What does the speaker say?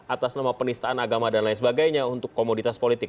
atas nama penistaan agama dan lain sebagainya untuk komoditas politik